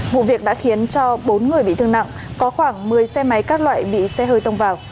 vụ việc đã khiến cho bốn người bị thương nặng có khoảng một mươi xe máy các loại bị xe hơi tông vào